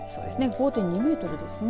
５．２メートルですね。